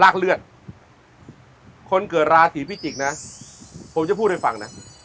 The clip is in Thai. เลือดคนเกิดราศีพิจิกษ์นะผมจะพูดให้ฟังนะ